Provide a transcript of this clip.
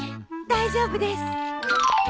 大丈夫です。